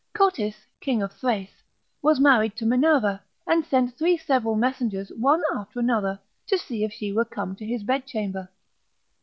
Cotys, king of Thrace, was married to Minerva, and sent three several messengers one after another, to see if she were come to his bedchamber.